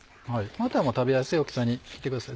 あとは食べやすい大きさに切ってください。